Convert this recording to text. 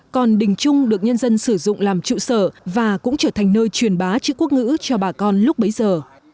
còn đình trung được nhân dân sử dụng làm trụ sở và cũng trở thành nơi truyền bá chữ quốc ngữ cho bà con lúc bấy giờ